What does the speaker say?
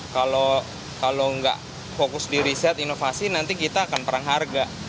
kalau nggak fokus di riset inovasi nanti kita akan perang harga